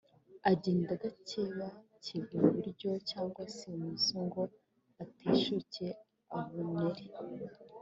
agenda adakebakeba iburyo cyangwa ibumoso ngo ateshuke Abuneri.